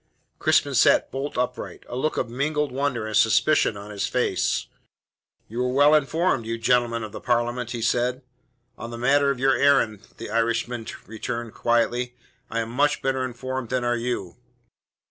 Crispin sat bolt upright, a look of mingled wonder and suspicion on his face. "You are well informed, you gentlemen of the Parliament," he said. "On the matter of your errand," the Irishman returned quietly, "I am much better informed than are you.